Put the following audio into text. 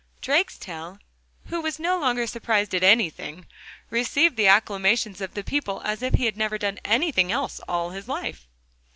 Drakestail, who was no longer surprised at anything, received the acclamations of the people as if he had never done anything else all his life.